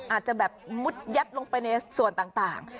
อาจจะแบบมุดยัดลงไปในส่วนต่าง